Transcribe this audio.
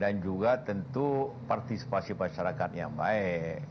dan juga tentu partisipasi masyarakat yang baik